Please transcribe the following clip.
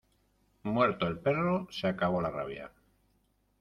Muerto el perro se acabó la rabia.